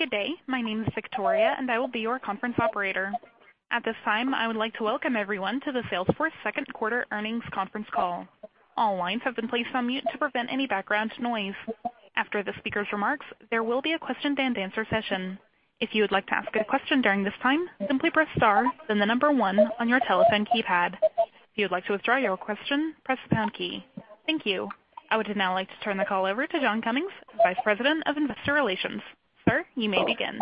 Good day. My name is Victoria, and I will be your conference operator. At this time, I would like to welcome everyone to the Salesforce second quarter earnings conference call. All lines have been placed on mute to prevent any background noise. After the speaker's remarks, there will be a question-and-answer session. If you would like to ask a question during this time, simply press star, then the number 1 on your telephone keypad. If you would like to withdraw your question, press the pound key. Thank you. I would now like to turn the call over to John Cummings, Vice President of Investor Relations. Sir, you may begin.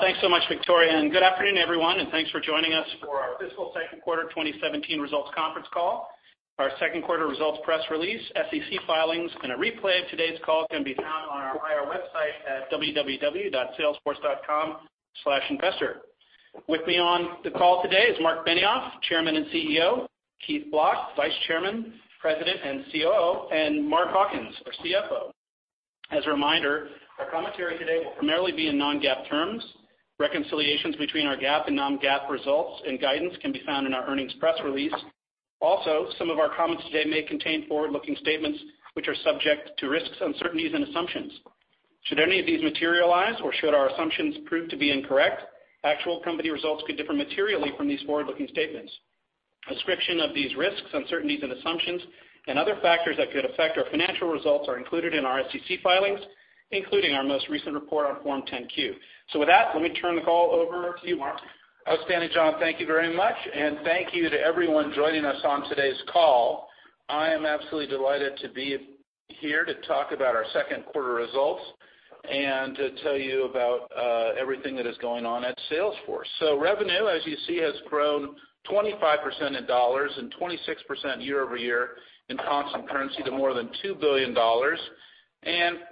Thanks so much, Victoria, and good afternoon, everyone, and thanks for joining us for our fiscal second quarter 2017 results conference call. Our second quarter results press release, SEC filings, and a replay of today's call can be found on our IR website at www.salesforce.com/investor. With me on the call today is Marc Benioff, Chairman and CEO, Keith Block, Vice Chairman, President, and COO, and Mark Hawkins, our CFO. As a reminder, our commentary today will primarily be in non-GAAP terms. Reconciliations between our GAAP and non-GAAP results and guidance can be found in our earnings press release. Some of our comments today may contain forward-looking statements which are subject to risks, uncertainties, and assumptions. Should any of these materialize or should our assumptions prove to be incorrect, actual company results could differ materially from these forward-looking statements. A description of these risks, uncertainties, and assumptions and other factors that could affect our financial results are included in our SEC filings, including our most recent report on Form 10-Q. With that, let me turn the call over to you, Marc. Outstanding, John. Thank you very much, and thank you to everyone joining us on today's call. I am absolutely delighted to be here to talk about our second quarter results and to tell you about everything that is going on at Salesforce. Revenue, as you see, has grown 25% in dollars and 26% year-over-year in constant currency to more than $2 billion.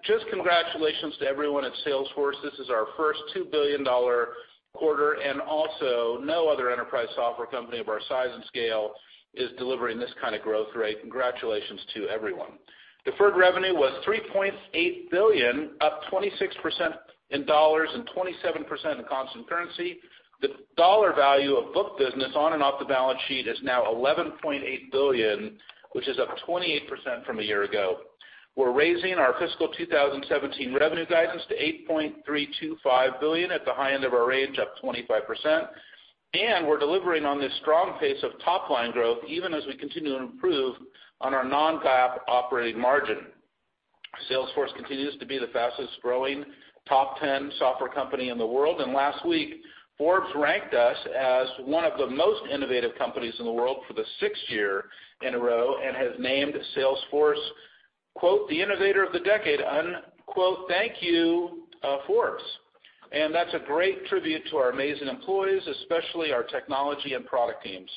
Just congratulations to everyone at Salesforce. This is our first $2 billion quarter, no other enterprise software company of our size and scale is delivering this kind of growth rate. Congratulations to everyone. Deferred revenue was $3.8 billion, up 26% in dollars and 27% in constant currency. The dollar value of book business on and off the balance sheet is now $11.8 billion, which is up 28% from a year ago. We're raising our fiscal 2017 revenue guidance to $8.325 billion at the high end of our range, up 25%, and we're delivering on this strong pace of top-line growth, even as we continue to improve on our non-GAAP operating margin. Salesforce continues to be the fastest-growing top 10 software company in the world, and last week, Forbes ranked us as one of the most innovative companies in the world for the sixth year in a row and has named Salesforce, “The innovator of the decade.” Thank you, Forbes. That's a great tribute to our amazing employees, especially our technology and product teams.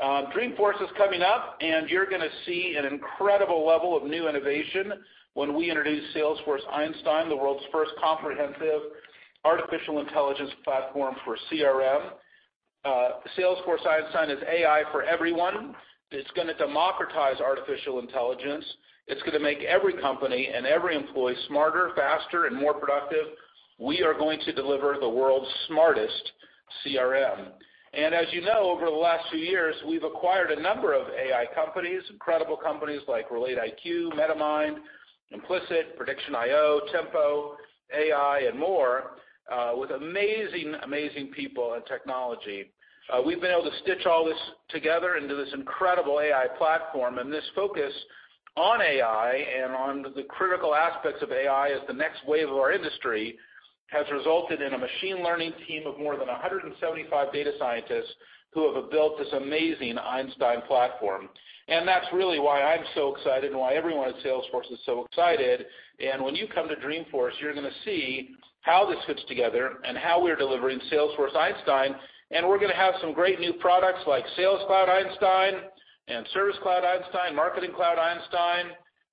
Dreamforce is coming up, and you're going to see an incredible level of new innovation when we introduce Salesforce Einstein, the world's first comprehensive artificial intelligence platform for CRM. Salesforce Einstein is AI for everyone. It's going to democratize artificial intelligence. It's going to make every company and every employee smarter, faster, and more productive. We are going to deliver the world's smartest CRM. As you know, over the last few years, we've acquired a number of AI companies, incredible companies like RelateIQ, MetaMind, Implicit, PredictionIO, Tempo AI, and more, with amazing people and technology. We've been able to stitch all this together into this incredible AI platform, and this focus on AI and on the critical aspects of AI as the next wave of our industry has resulted in a machine learning team of more than 175 data scientists who have built this amazing Einstein platform. That's really why I'm so excited and why everyone at Salesforce is so excited. When you come to Dreamforce, you're going to see how this fits together and how we're delivering Salesforce Einstein, and we're going to have some great new products like Sales Cloud Einstein and Service Cloud Einstein, Marketing Cloud Einstein.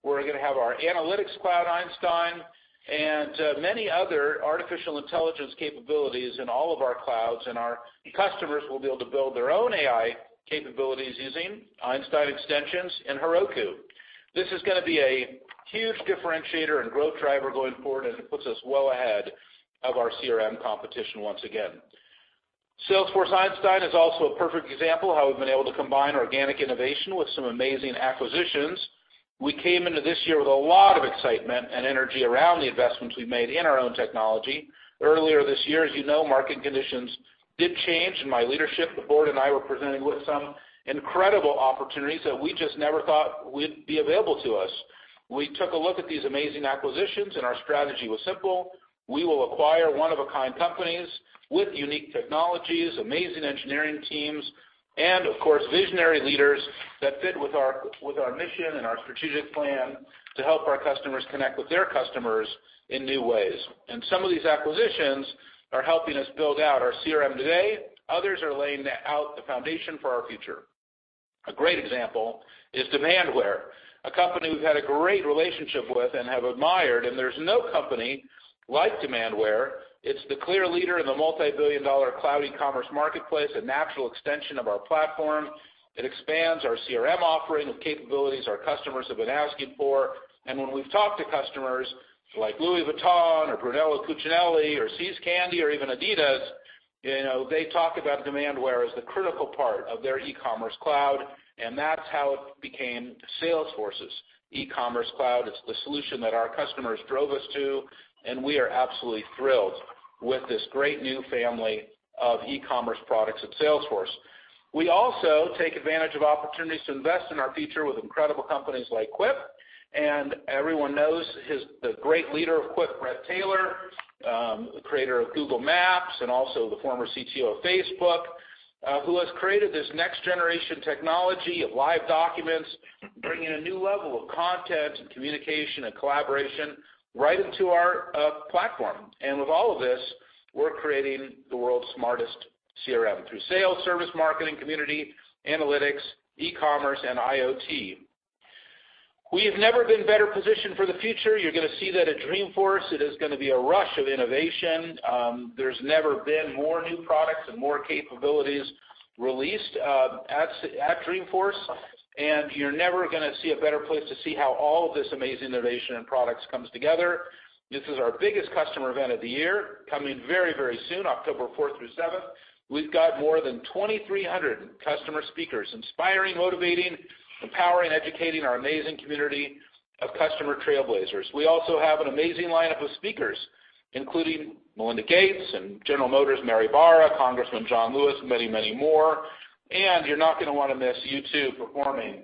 We're going to have our Analytics Cloud Einstein, and many other artificial intelligence capabilities in all of our clouds, and our customers will be able to build their own AI capabilities using Einstein extensions and Heroku. This is going to be a huge differentiator and growth driver going forward, and it puts us well ahead of our CRM competition once again. Salesforce Einstein is also a perfect example of how we've been able to combine organic innovation with some amazing acquisitions. We came into this year with a lot of excitement and energy around the investments we've made in our own technology. Earlier this year, as you know, market conditions did change, and my leadership, the board, and I were presented with some incredible opportunities that we just never thought would be available to us. We took a look at these amazing acquisitions, and our strategy was simple. We will acquire one-of-a-kind companies with unique technologies, amazing engineering teams, and of course, visionary leaders that fit with our mission and our strategic plan to help our customers connect with their customers in new ways. Some of these acquisitions are helping us build out our CRM today. Others are laying out the foundation for our future. A great example is Demandware, a company we've had a great relationship with and have admired, and there's no company like Demandware. It's the clear leader in the multi-billion-dollar cloud e-commerce marketplace, a natural extension of our platform. It expands our CRM offering with capabilities our customers have been asking for. When we've talked to customers like Louis Vuitton or Brunello Cucinelli or See's Candies or even Adidas, they talk about Demandware as the critical part of their e-commerce cloud, and that's how it became Salesforce's e-commerce cloud. It's the solution that our customers drove us to, and we are absolutely thrilled with this great new family of e-commerce products at Salesforce. We also take advantage of opportunities to invest in our future with incredible companies like Quip, and everyone knows the great leader of Quip, Bret Taylor, the creator of Google Maps, and also the former CTO of Facebook, who has created this next-generation technology of live documents, bringing a new level of content and communication and collaboration right into our platform. With all of this, we're creating the world's smartest CRM through sales, service, marketing, community, analytics, e-commerce, and IoT. We have never been better positioned for the future. You're going to see that at Dreamforce. It is going to be a rush of innovation. There's never been more new products and more capabilities released at Dreamforce, and you're never going to see a better place to see how all of this amazing innovation and products comes together. This is our biggest customer event of the year, coming very, very soon, October 4th through 7th. We've got more than 2,300 customer speakers inspiring, motivating, empowering, educating our amazing community of customer trailblazers. We also have an amazing lineup of speakers, including Melinda Gates and General Motors, Mary Barra, Congressman John Lewis, and many, many more. You're not going to want to miss U2 performing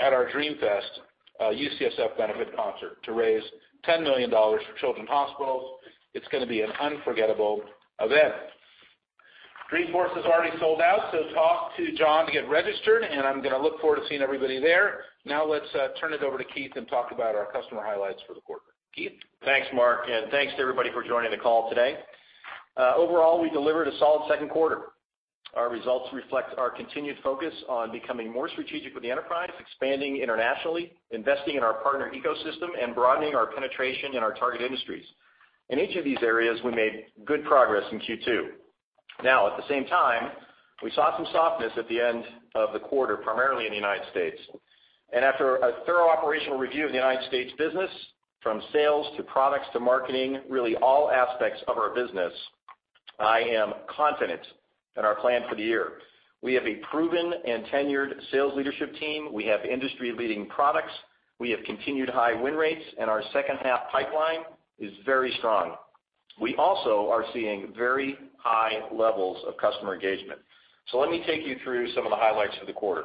at our Dreamfest UCSF benefit concert to raise $10 million for children's hospitals. It's going to be an unforgettable event. Dreamforce has already sold out, so talk to John to get registered, and I'm going to look forward to seeing everybody there. Now let's turn it over to Keith and talk about our customer highlights for the quarter. Keith? Thanks, Marc, and thanks to everybody for joining the call today. Overall, we delivered a solid second quarter. Our results reflect our continued focus on becoming more strategic with the enterprise, expanding internationally, investing in our partner ecosystem, and broadening our penetration in our target industries. In each of these areas, we made good progress in Q2. Now, at the same time, we saw some softness at the end of the quarter, primarily in the United States. After a thorough operational review of the United States business, from sales to products to marketing, really all aspects of our business, I am confident in our plan for the year. We have a proven and tenured sales leadership team. We have industry-leading products. We have continued high win rates, and our second-half pipeline is very strong. We also are seeing very high levels of customer engagement. Let me take you through some of the highlights for the quarter.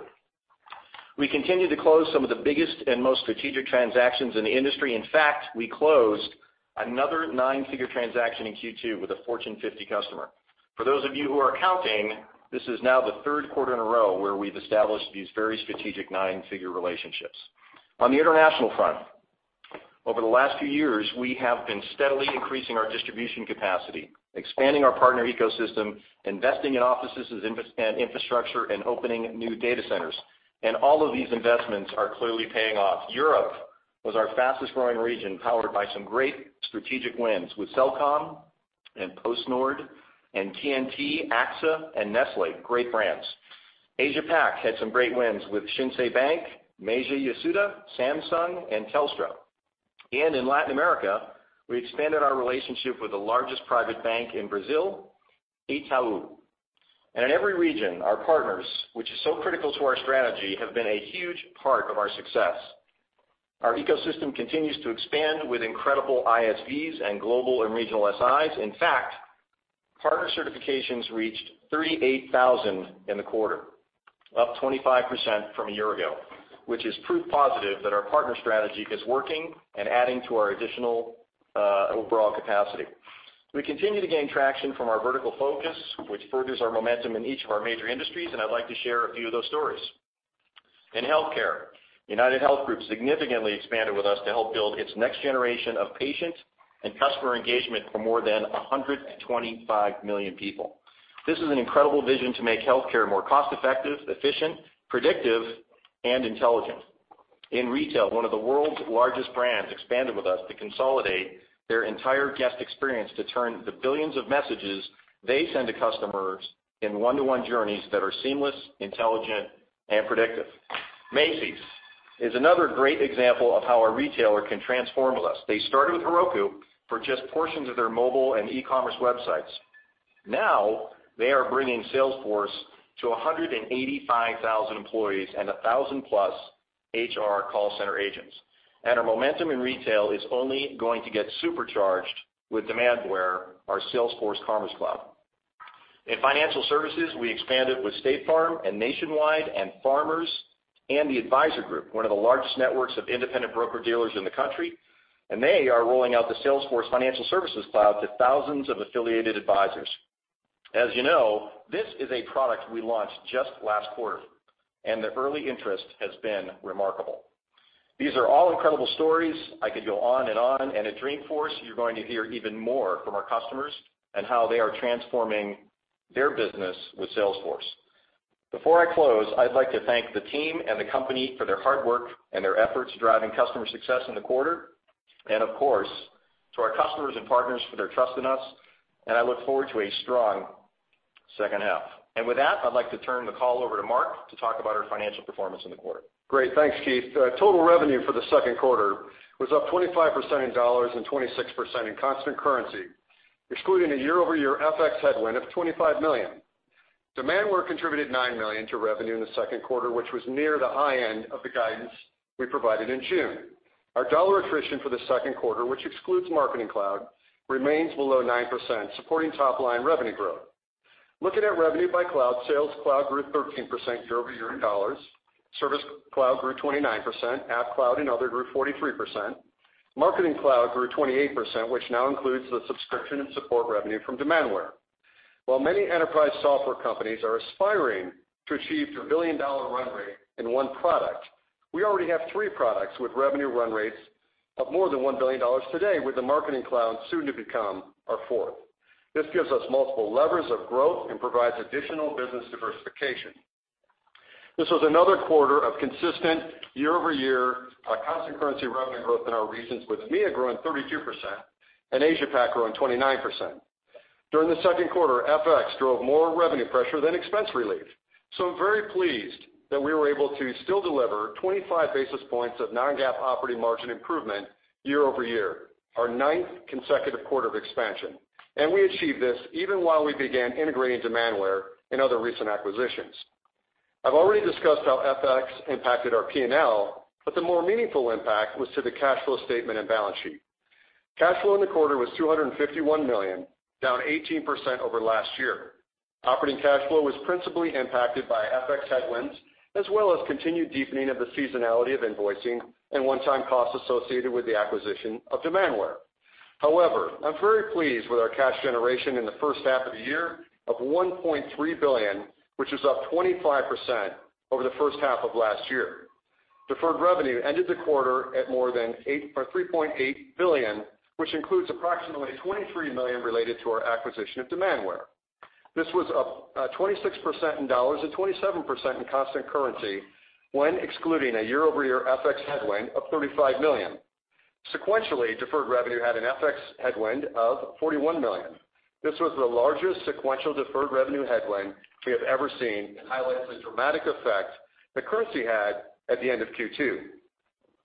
We continue to close some of the biggest and most strategic transactions in the industry. In fact, we closed another nine-figure transaction in Q2 with a Fortune 50 customer. For those of you who are counting, this is now the third quarter in a row where we've established these very strategic nine-figure relationships. On the international front, over the last few years, we have been steadily increasing our distribution capacity, expanding our partner ecosystem, investing in offices and infrastructure, and opening new data centers. All of these investments are clearly paying off. Europe was our fastest-growing region, powered by some great strategic wins with Cellcom, PostNord, TNT, AXA, and Nestlé. Great brands. Asia PAC had some great wins with Shinsei Bank, Meiji Yasuda, Samsung, and Telstra. In Latin America, we expanded our relationship with the largest private bank in Brazil, Itaú. In every region, our partners, which is so critical to our strategy, have been a huge part of our success. Our ecosystem continues to expand with incredible ISVs and global and regional SIs. In fact, partner certifications reached 38,000 in the quarter, up 25% from a year ago, which is proof positive that our partner strategy is working and adding to our additional overall capacity. We continue to gain traction from our vertical focus, which furthers our momentum in each of our major industries, and I'd like to share a few of those stories. In healthcare, UnitedHealth Group significantly expanded with us to help build its next generation of patient and customer engagement for more than 125 million people. This is an incredible vision to make healthcare more cost-effective, efficient, predictive, and intelligent. In retail, one of the world's largest brands expanded with us to consolidate their entire guest experience to turn the billions of messages they send to customers in one-to-one journeys that are seamless, intelligent, and predictive. Macy's is another great example of how a retailer can transform with us. They started with Heroku for just portions of their mobile and e-commerce websites. Now they are bringing Salesforce to 185,000 employees and 1,000-plus HR call center agents. Our momentum in retail is only going to get supercharged with Demandware, our Salesforce Commerce Cloud. In financial services, we expanded with State Farm, Nationwide, Farmers, and the Advisor Group, one of the largest networks of independent broker-dealers in the country, and they are rolling out the Salesforce Financial Services Cloud to thousands of affiliated advisors. As you know, this is a product we launched just last quarter. The early interest has been remarkable. These are all incredible stories. I could go on and on. At Dreamforce, you're going to hear even more from our customers and how they are transforming their business with Salesforce. Before I close, I'd like to thank the team and the company for their hard work and their efforts driving customer success in the quarter, and of course, to our customers and partners for their trust in us. I look forward to a strong Second half. With that, I'd like to turn the call over to Mark to talk about our financial performance in the quarter. Great. Thanks, Keith. Total revenue for the second quarter was up 25% in dollars and 26% in constant currency, excluding a year-over-year FX headwind of $25 million. Demandware contributed $9 million to revenue in the second quarter, which was near the high end of the guidance we provided in June. Our dollar attrition for the second quarter, which excludes Marketing Cloud, remains below 9%, supporting top-line revenue growth. Looking at revenue by cloud, Sales Cloud grew 13% year-over-year in dollars. Service Cloud grew 29%, App Cloud and other grew 43%. Marketing Cloud grew 28%, which now includes the subscription and support revenue from Demandware. While many enterprise software companies are aspiring to achieve their billion-dollar run rate in one product, we already have three products with revenue run rates of more than $1 billion today, with the Marketing Cloud soon to become our fourth. This gives us multiple levers of growth and provides additional business diversification. This was another quarter of consistent year-over-year constant currency revenue growth in our regions, with EMEA growing 32% and Asia Pac growing 29%. During the second quarter, FX drove more revenue pressure than expense relief. I'm very pleased that we were able to still deliver 25 basis points of non-GAAP operating margin improvement year-over-year, our ninth consecutive quarter of expansion. We achieved this even while we began integrating Demandware and other recent acquisitions. I've already discussed how FX impacted our P&L, but the more meaningful impact was to the cash flow statement and balance sheet. Cash flow in the quarter was $251 million, down 18% over last year. Operating cash flow was principally impacted by FX headwinds, as well as continued deepening of the seasonality of invoicing and one-time costs associated with the acquisition of Demandware. However, I'm very pleased with our cash generation in the first half of the year of $1.3 billion, which is up 25% over the first half of last year. Deferred revenue ended the quarter at more than $3.8 billion, which includes approximately $23 million related to our acquisition of Demandware. This was up 26% in dollars and 27% in constant currency when excluding a year-over-year FX headwind of $35 million. Sequentially, deferred revenue had an FX headwind of $41 million. This was the largest sequential deferred revenue headwind we have ever seen and highlights the dramatic effect that currency had at the end of Q2.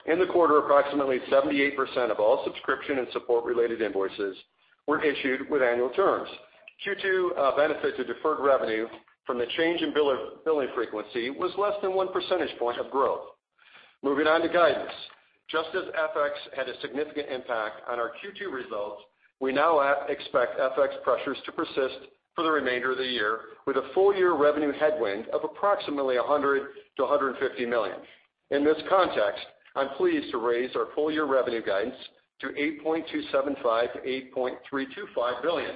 In the quarter, approximately 78% of all subscription and support related invoices were issued with annual terms. Q2 benefit to deferred revenue from the change in billing frequency was less than one percentage point of growth. Moving on to guidance. Just as FX had a significant impact on our Q2 results, we now expect FX pressures to persist for the remainder of the year with a full-year revenue headwind of approximately $100 million-$150 million. In this context, I'm pleased to raise our full-year revenue guidance to $8.275 billion-$8.325 billion.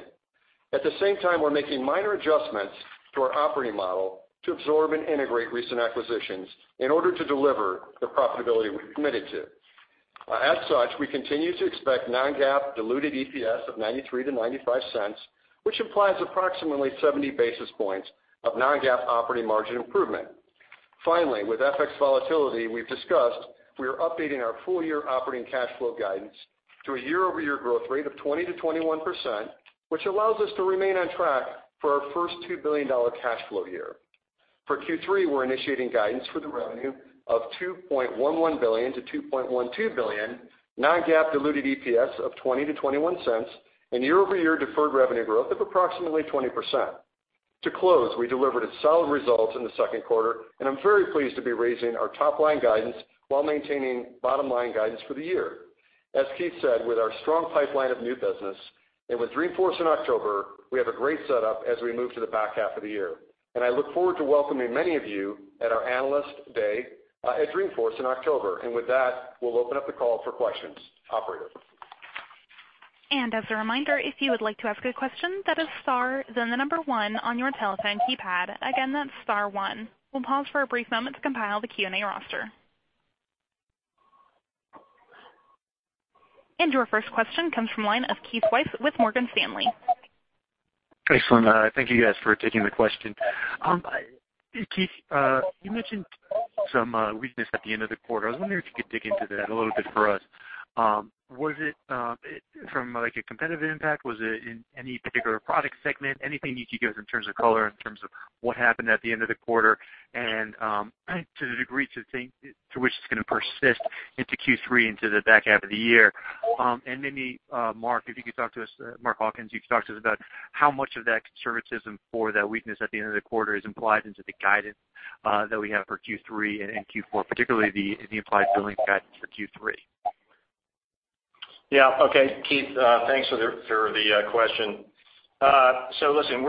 At the same time, we're making minor adjustments to our operating model to absorb and integrate recent acquisitions in order to deliver the profitability we've committed to. As such, we continue to expect non-GAAP diluted EPS of $0.93-$0.95, which implies approximately 70 basis points of non-GAAP operating margin improvement. Finally, with FX volatility we've discussed, we are updating our full-year operating cash flow guidance to a year-over-year growth rate of 20%-21%, which allows us to remain on track for our first $2 billion cash flow year. For Q3, we're initiating guidance for the revenue of $2.11 billion-$2.12 billion, non-GAAP diluted EPS of $0.20-$0.21, and year-over-year deferred revenue growth of approximately 20%. To close, we delivered a solid result in the second quarter. I'm very pleased to be raising our top-line guidance while maintaining bottom-line guidance for the year. As Keith said, with our strong pipeline of new business, with Dreamforce in October, we have a great setup as we move to the back half of the year. I look forward to welcoming many of you at our Analyst Day at Dreamforce in October. With that, we'll open up the call for questions. Operator. As a reminder, if you would like to ask a question, that is star then the number 1 on your telephone keypad. Again, that's star 1. We'll pause for a brief moment to compile the Q&A roster. Your first question comes from the line of Keith Weiss with Morgan Stanley. Excellent. Thank you guys for taking the question. Keith, you mentioned some weakness at the end of the quarter. I was wondering if you could dig into that a little bit for us. Was it from, like, a competitive impact? Was it in any particular product segment? Anything you could give us in terms of color, in terms of what happened at the end of the quarter, and to the degree to which it's going to persist into Q3, into the back half of the year? Maybe Mark, if you could talk to us, Mark Hawkins, you could talk to us about how much of that conservatism for that weakness at the end of the quarter is implied into the guidance that we have for Q3 and Q4, particularly the implied billing guidance for Q3. Yeah. Okay. Keith, thanks for the question. Listen,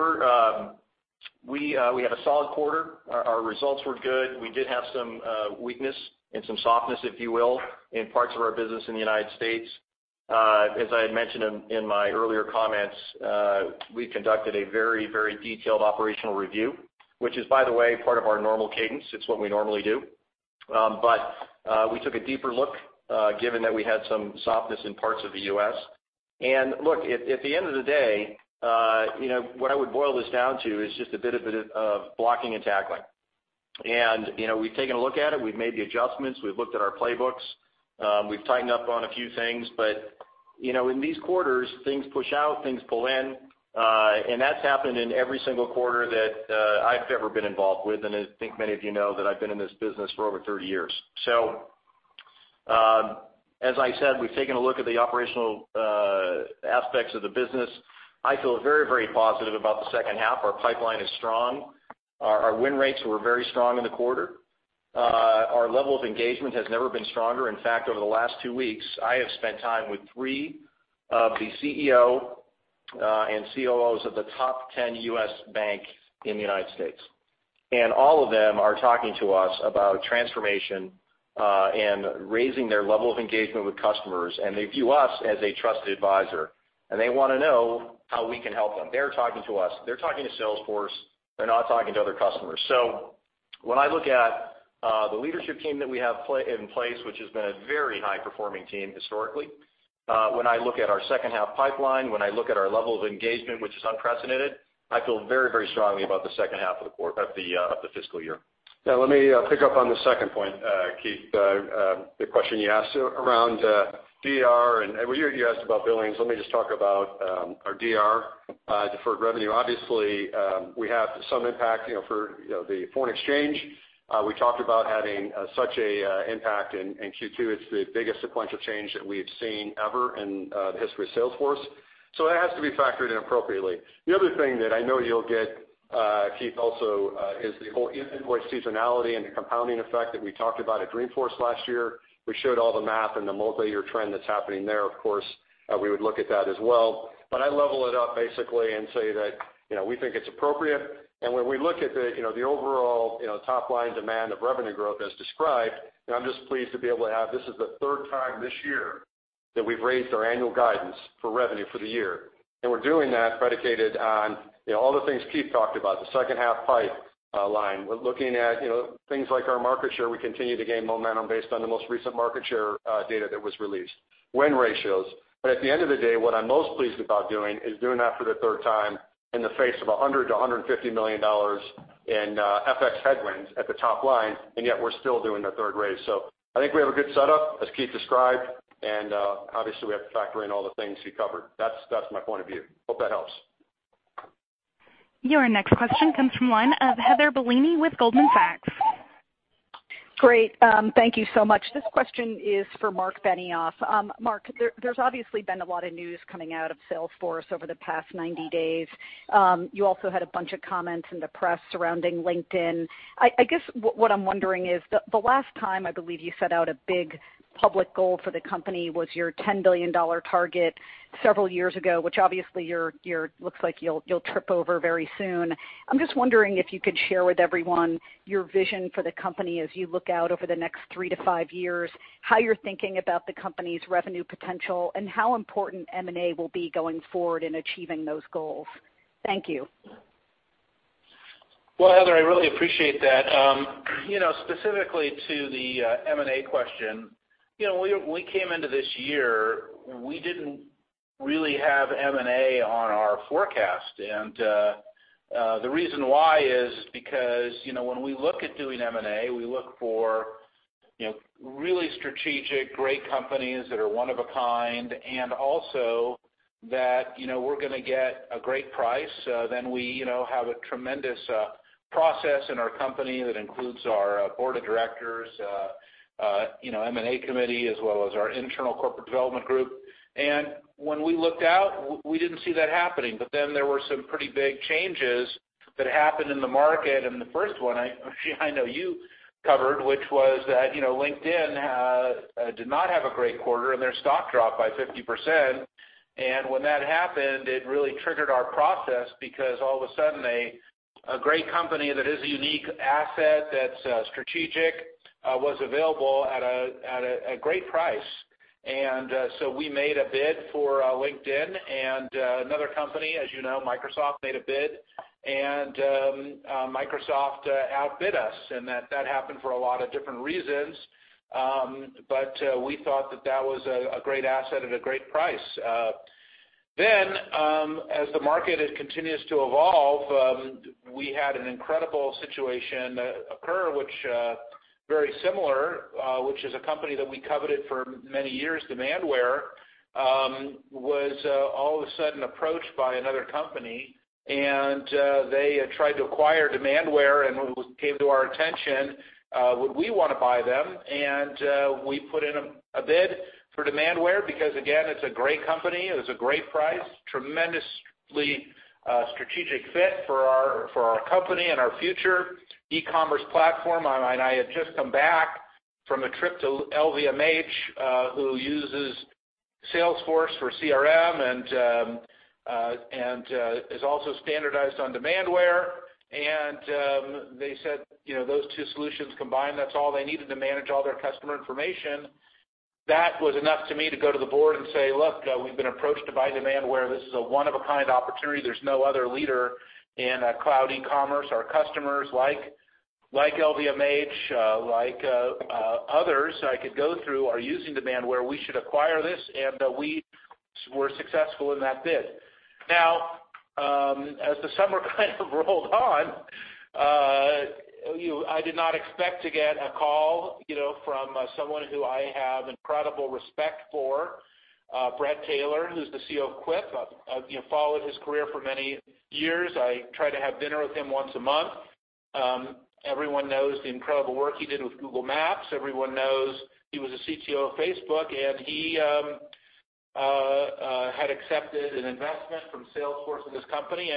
we had a solid quarter. Our results were good. We did have some weakness and some softness, if you will, in parts of our business in the U.S. As I had mentioned in my earlier comments, we conducted a very detailed operational review, which is, by the way, part of our normal cadence. It's what we normally do. We took a deeper look, given that we had some softness in parts of the U.S. Look, at the end of the day, what I would boil this down to is just a bit of blocking and tackling. We've taken a look at it. We've made the adjustments. We've looked at our playbooks. We've tightened up on a few things, in these quarters, things push out, things pull in, and that's happened in every single quarter that I've ever been involved with. I think many of you know that I've been in this business for over 30 years. As I said, we've taken a look at the operational aspects of the business. I feel very positive about the second half. Our pipeline is strong. Our win rates were very strong in the quarter. Our level of engagement has never been stronger. In fact, over the last two weeks, I have spent time with three of the CEO and COOs of the top 10 U.S. banks in the U.S. All of them are talking to us about transformation, and raising their level of engagement with customers, and they view us as a trusted advisor. They want to know how we can help them. They're talking to us. They're talking to Salesforce. They're not talking to other customers. When I look at the leadership team that we have in place, which has been a very high-performing team historically, when I look at our second-half pipeline, when I look at our level of engagement, which is unprecedented, I feel very strongly about the second half of the fiscal year. Let me pick up on the second point, Keith, the question you asked around DR, and you asked about billings. Let me just talk about our DR, deferred revenue. Obviously, we have some impact for the foreign exchange. We talked about having such an impact in Q2. It's the biggest sequential change that we've seen ever in the history of Salesforce. That has to be factored in appropriately. The other thing that I know you'll get, Keith, also, is the whole invoice seasonality and the compounding effect that we talked about at Dreamforce last year. We showed all the math and the multi-year trend that's happening there. Of course, we would look at that as well. I level it up, basically, say that we think it's appropriate, when we look at the overall top-line demand of revenue growth as described, I'm just pleased to be able to have. This is the third time this year that we've raised our annual guidance for revenue for the year. We're doing that predicated on all the things Keith talked about, the second-half pipeline. We're looking at things like our market share. We continue to gain momentum based on the most recent market share data that was released. Win ratios. At the end of the day, what I'm most pleased about doing is doing that for the third time in the face of $100 million-$150 million in FX headwinds at the top line, yet we're still doing the third raise. I think we have a good setup, as Keith described, obviously, we have to factor in all the things he covered. That's my point of view. Hope that helps. Your next question comes from the line of Heather Bellini with Goldman Sachs. Great. Thank you so much. This question is for Marc Benioff. Marc, there's obviously been a lot of news coming out of Salesforce over the past 90 days. You also had a bunch of comments in the press surrounding LinkedIn. I guess what I'm wondering is, the last time I believe you set out a big public goal for the company was your $10 billion target several years ago, which obviously looks like you'll trip over very soon. I'm just wondering if you could share with everyone your vision for the company as you look out over the next three to five years, how you're thinking about the company's revenue potential, and how important M&A will be going forward in achieving those goals. Thank you. Well, Heather, I really appreciate that. Specifically to the M&A question, when we came into this year, we didn't really have M&A on our forecast. The reason why is because when we look at doing M&A, we look for really strategic, great companies that are one of a kind, also that we're going to get a great price. We have a tremendous process in our company that includes our board of directors, M&A committee, as well as our internal corporate development group. When we looked out, we didn't see that happening. There were some pretty big changes that happened in the market. The first one, I know you covered, which was that LinkedIn did not have a great quarter, their stock dropped by 50%. When that happened, it really triggered our process, because all of a sudden, a great company that is a unique asset, that's strategic, was available at a great price. So we made a bid for LinkedIn. Another company, as you know, Microsoft, made a bid. Microsoft outbid us. That happened for a lot of different reasons. We thought that that was a great asset at a great price. As the market continues to evolve, we had an incredible situation occur, which very similar, which is a company that we coveted for many years, Demandware, was all of a sudden approached by another company. They tried to acquire Demandware. It came to our attention. Would we want to buy them? We put in a bid for Demandware because, again, it's a great company. It was a great price. Tremendously strategic fit for our company and our future e-commerce platform. I had just come back from a trip to LVMH, who uses Salesforce for CRM, is also standardized on Demandware. They said those two solutions combined, that's all they needed to manage all their customer information. That was enough to me to go to the board and say, "Look, we've been approached to buy Demandware. This is a one-of-a-kind opportunity. There's no other leader in cloud e-commerce. Our customers like LVMH, like others I could go through, are using Demandware. We should acquire this," we were successful in that bid. As the summer kind of rolled on, I did not expect to get a call from someone who I have incredible respect for, Bret Taylor, who's the CEO of Quip. I've followed his career for many years. I try to have dinner with him once a month. Everyone knows the incredible work he did with Google Maps. Everyone knows he was a CTO of Facebook. He had accepted an investment from Salesforce in his company.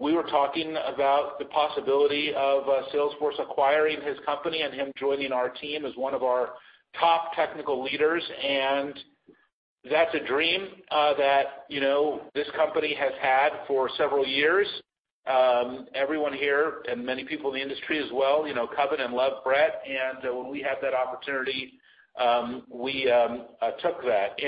We were talking about the possibility of Salesforce acquiring his company, him joining our team as one of our top technical leaders. That's a dream that this company has had for several years. Everyone here, many people in the industry as well, covet and love Bret. When we had that opportunity, we took that.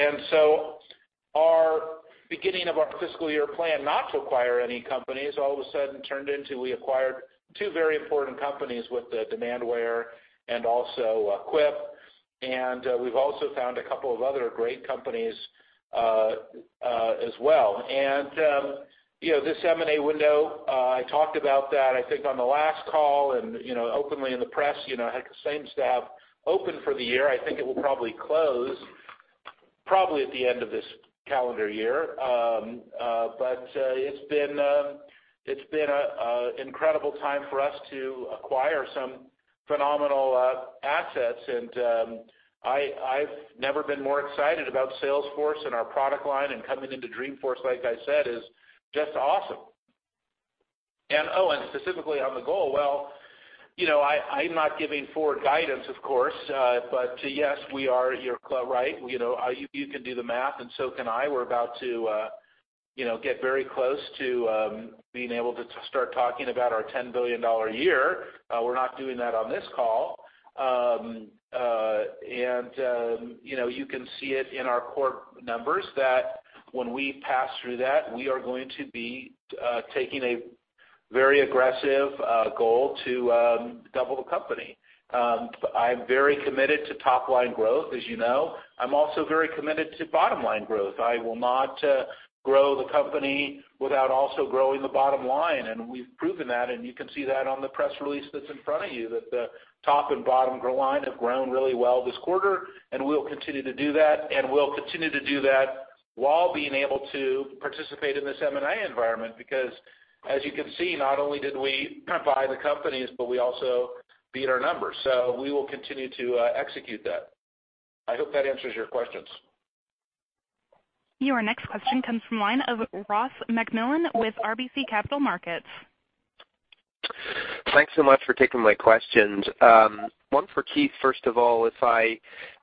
Our beginning of our fiscal year plan not to acquire any companies, all of a sudden turned into, we acquired two very important companies with Demandware and also Quip. We've also found a couple of other great companies as well. This M&A window, I talked about that, on the last call, and openly in the press. Had the same stayed open for the year. It will probably close, probably at the end of this calendar year. It's been an incredible time for us to acquire some phenomenal assets. I've never been more excited about Salesforce and our product line, and coming into Dreamforce, like I said, is just awesome. Oh, and specifically on the goal, well, I'm not giving forward guidance, of course. Yes, we are. You're right. You can do the math, and so can I. We're about to get very close to being able to start talking about our $10 billion a year. We're not doing that on this call. You can see it in our core numbers, that when we pass through that, we are going to be taking a very aggressive goal to double the company. I'm very committed to top-line growth, as you know. I'm also very committed to bottom-line growth. I will not grow the company without also growing the bottom line, and we've proven that, and you can see that on the press release that's in front of you, that the top and bottom line have grown really well this quarter, and we'll continue to do that. We'll continue to do that while being able to participate in this M&A environment, because as you can see, not only did we buy the companies, but we also beat our numbers. We will continue to execute that. I hope that answers your questions. Your next question comes from the line of Ross MacMillan with RBC Capital Markets. Thanks so much for taking my questions. One for Keith, first of all. If I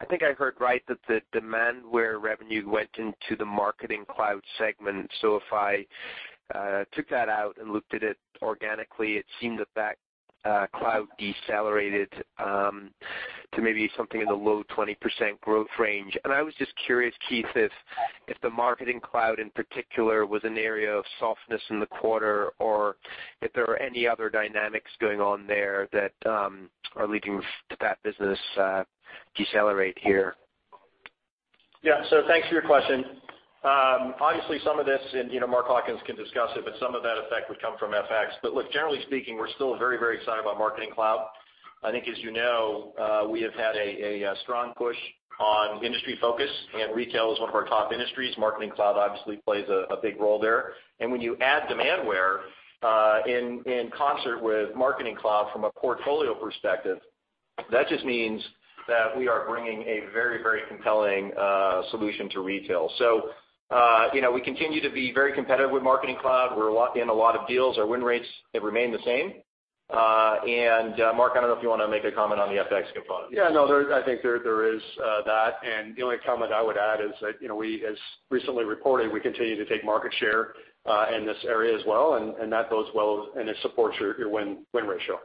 think I heard right that the Demandware revenue went into the Marketing Cloud segment. If I took that out and looked at it organically, it seemed that that cloud decelerated to maybe something in the low 20% growth range. I was just curious, Keith, if the Marketing Cloud in particular was an area of softness in the quarter, or if there are any other dynamics going on there that are leading to that business decelerate here. Yeah. Thanks for your question. Obviously, some of this, and Mark Hawkins can discuss it, but some of that effect would come from FX. Look, generally speaking, we're still very excited about Marketing Cloud. I think, as you know, we have had a strong push on industry focus, and retail is one of our top industries. Marketing Cloud obviously plays a big role there. When you add Demandware, in concert with Marketing Cloud from a portfolio perspective, that just means that we are bringing a very compelling solution to retail. We continue to be very competitive with Marketing Cloud. We're in a lot of deals. Our win rates have remained the same. Mark, I don't know if you want to make a comment on the FX component. Yeah, no, I think there is that. The only comment I would add is that, as recently reported, we continue to take market share in this area as well, and that bodes well, and it supports your win ratio.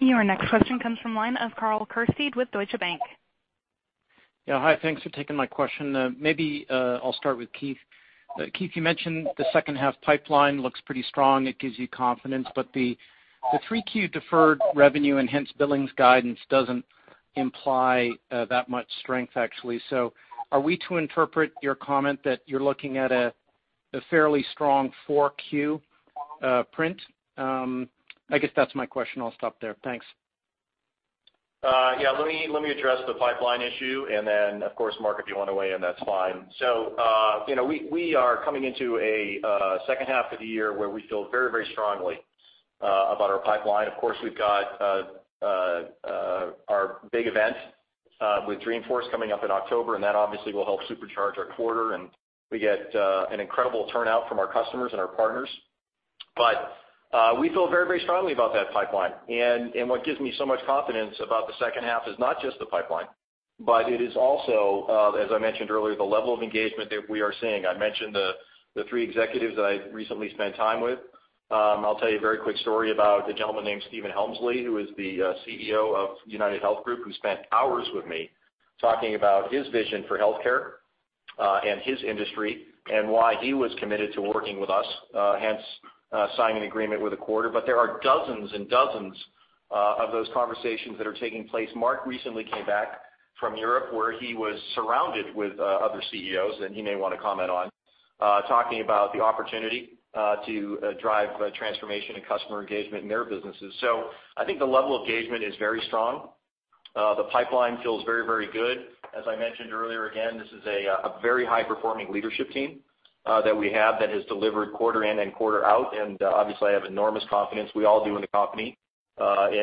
Your next question comes from line of Karl Keirstead with Deutsche Bank. Hi, thanks for taking my question. Maybe I'll start with Keith. Keith, you mentioned the second half pipeline looks pretty strong. It gives you confidence. The 3Q deferred revenue, and hence billings guidance doesn't imply that much strength, actually. Are we to interpret your comment that you're looking at a fairly strong 4Q print? I guess that's my question. I'll stop there. Thanks. Let me address the pipeline issue. Of course, Mark, if you want to weigh in, that's fine. We are coming into a second half of the year where we feel very strongly about our pipeline. Of course, we've got our big event with Dreamforce coming up in October, and that obviously will help supercharge our quarter, and we get an incredible turnout from our customers and our partners. We feel very strongly about that pipeline. What gives me so much confidence about the second half is not just the pipeline, but it is also, as I mentioned earlier, the level of engagement that we are seeing. I mentioned the three executives that I recently spent time with. I'll tell you a very quick story about a gentleman named Stephen Hemsley, who is the CEO of UnitedHealth Group, who spent hours with me talking about his vision for healthcare, and his industry, and why he was committed to working with us, hence signing an agreement with the quarter. There are dozens Of those conversations that are taking place. Mark recently came back from Europe, where he was surrounded with other CEOs, and he may want to comment on talking about the opportunity to drive transformation and customer engagement in their businesses. I think the level of engagement is very strong. The pipeline feels very good. As I mentioned earlier, again, this is a very high-performing leadership team that we have that has delivered quarter in and quarter out, and obviously, I have enormous confidence, we all do in the company,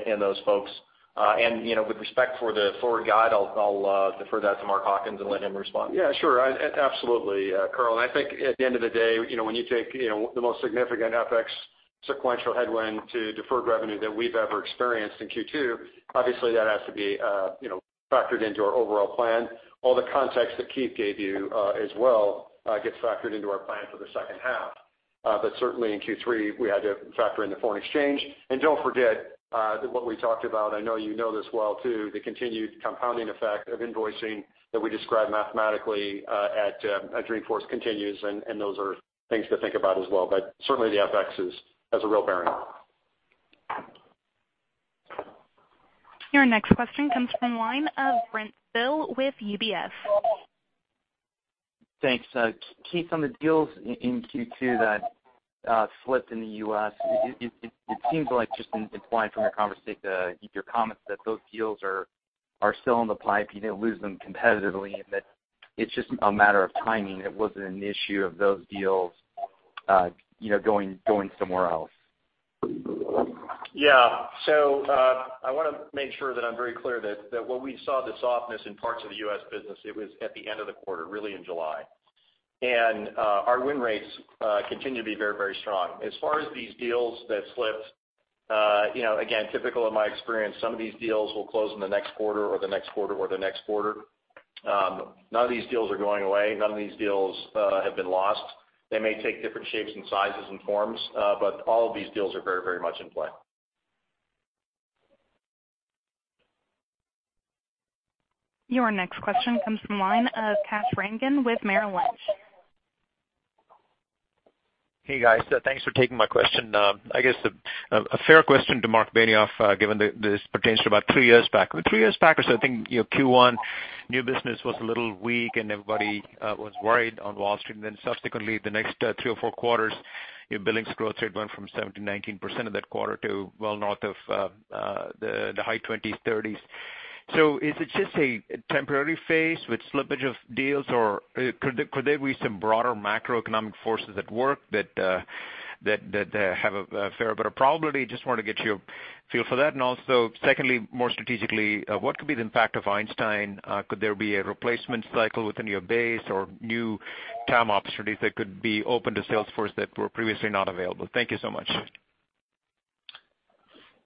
in those folks. With respect for the forward guide, I'll defer that to Mark Hawkins and let him respond. Yeah, sure. Absolutely, Karl. I think at the end of the day, when you take the most significant FX sequential headwind to deferred revenue that we've ever experienced in Q2, obviously that has to be factored into our overall plan. All the context that Keith gave you as well gets factored into our plan for the second half. Certainly in Q3, we had to factor in the foreign exchange. Don't forget, that what we talked about, I know you know this well, too, the continued compounding effect of invoicing that we described mathematically at Dreamforce continues, and those are things to think about as well. Certainly the FX has a real bearing. Your next question comes from the line of Brent Thill with UBS. Thanks. Keith, on the deals in Q2 that slipped in the U.S., it seems like, just implied from your comments, that those deals are still in the pipe, you didn't lose them competitively, and that it's just a matter of timing. It wasn't an issue of those deals going somewhere else. Yeah. I want to make sure that I'm very clear that when we saw the softness in parts of the U.S. business, it was at the end of the quarter, really in July. Our win rates continue to be very strong. As far as these deals that slipped, again, typical of my experience, some of these deals will close in the next quarter or the next quarter or the next quarter. None of these deals are going away. None of these deals have been lost. They may take different shapes and sizes and forms, all of these deals are very much in play. Your next question comes from the line of Kash Rangan with Merrill Lynch. Hey, guys. Thanks for taking my question. I guess a fair question to Marc Benioff, given this pertains to about three years back or so, I think Q1 new business was a little weak, everybody was worried on Wall Street. Subsequently, the next three or four quarters, your billings growth rate went from 7% to 19% in that quarter to well north of the high 20s, 30s. Is it just a temporary phase with slippage of deals, or could there be some broader macroeconomic forces at work that have a fair bit of probability? Just wanted to get your feel for that. Also, secondly, more strategically, what could be the impact of Einstein? Could there be a replacement cycle within your base or new TAM opportunities that could be open to Salesforce that were previously not available? Thank you so much.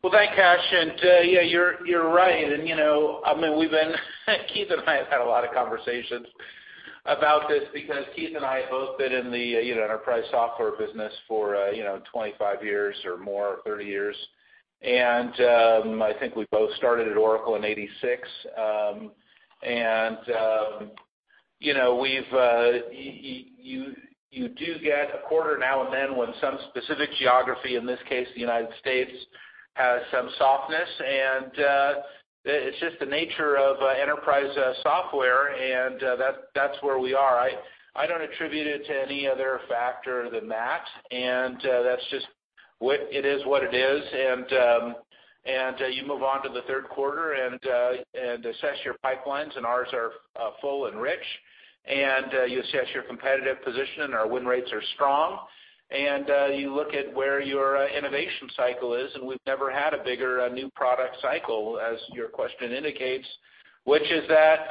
Well, thanks, Kash, yeah, you're right. We've been Keith and I have had a lot of conversations about this because Keith and I have both been in the enterprise software business for 25 years or more, 30 years. I think we both started at Oracle in 1986. You do get a quarter now and then when some specific geography, in this case, the United States, has some softness, it's just the nature of enterprise software, that's where we are. I don't attribute it to any other factor than that, it is what it is. You move on to the third quarter and assess your pipelines, ours are full and rich. You assess your competitive position, our win rates are strong. You look at where your innovation cycle is, we've never had a bigger new product cycle, as your question indicates. Which is that